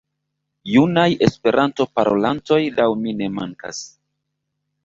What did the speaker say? Junaj Esperanto-parolantoj laŭ mi ne mankas.